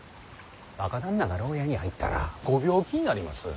若旦那が牢屋に入ったらご病気になります。